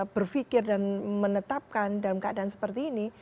berpikir dan menetapkan dalam keadaan seperti ini